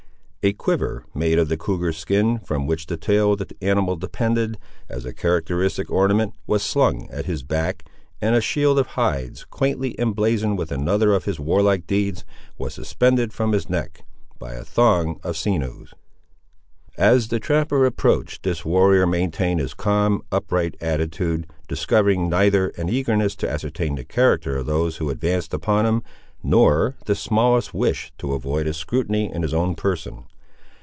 A quiver made of the cougar skin, from which the tail of the animal depended, as a characteristic ornament, was slung at his back, and a shield of hides, quaintly emblazoned with another of his warlike deeds, was suspended from his neck by a thong of sinews. As the trapper approached, this warrior maintained his calm upright attitude, discovering neither an eagerness to ascertain the character of those who advanced upon him, nor the smallest wish to avoid a scrutiny in his own person.